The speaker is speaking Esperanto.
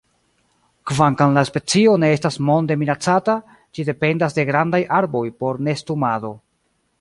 Kvankam la specio ne estas monde minacata, ĝi dependas de grandaj arboj por nestumado.